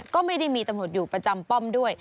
ก็ไม่ได้มีตำรวจอยู่ประจำป้อมด้วย